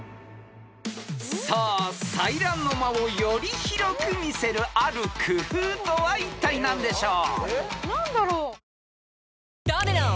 ［さあ彩鸞の間をより広く見せるある工夫とはいったい何でしょう？］